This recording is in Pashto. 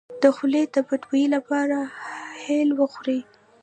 د خولې د بد بوی لپاره هل وخورئ